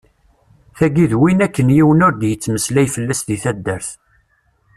Tagi d win akken yiwen ur d-yettmeslay fell-as deg taddart.